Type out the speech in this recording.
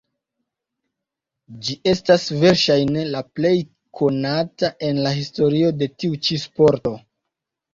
Ĝi estas verŝajne la plej konata en la historio de tiu ĉi sporto.